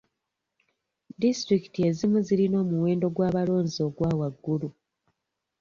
Disitulikiti ezimu zirina omuwendo gw'abalonzi ogwa waggulu .